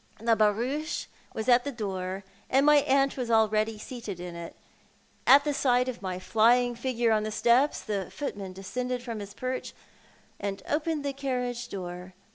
Tlie barouche was at the door, and my aunt was already seated in it. At sight of my flying figure on the steps, the footman descended from his porch, and opened the carriage door.